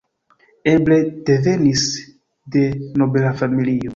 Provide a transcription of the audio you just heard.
Eble devenis de nobela familio.